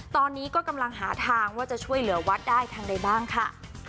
ตอนนี้ก็กำลังหาทางว่าจะช่วยเหลือวัดได้ทางใดบ้างค่ะ